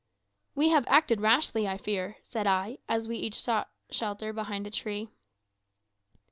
"We have acted rashly, I fear," said I, as we each sought shelter behind a tree.